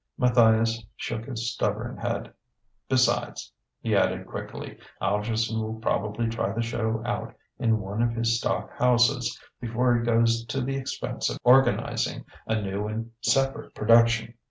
Matthias shook his stubborn head. "Besides," he added quickly, "Algerson will probably try the show out in one of his stock houses before he goes to the expense of organizing a new and separate production.